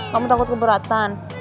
kamu takut keberatan